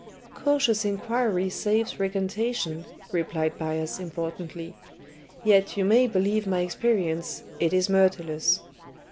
"Cautious inquiry saves recantation," replied Bias importantly. "Yet you may believe my experience, it is Myrtilus.